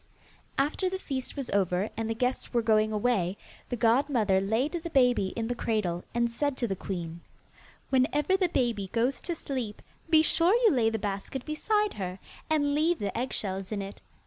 After the feast was over and the guests were going away, the godmother laid the baby in the cradle, and said to the queen, 'Whenever the baby goes to sleep, be sure you lay the basket beside her, and leave the eggshells in it.